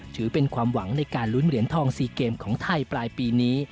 ถือเป็นความหวังในการลุ้นเหรียญทอง๔เกมของไทยปลายปีนี้